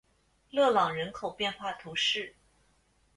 勒朗人口变化图示